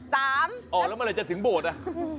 อ๋อแล้วเมื่อไหร่จะถึงโบสถอ่ะ